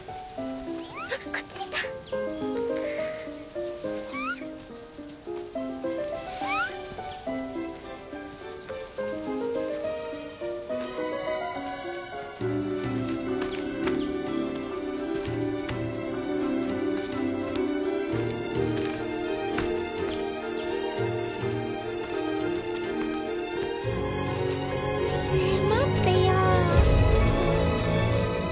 あっこっち見た。ねえ待ってよ。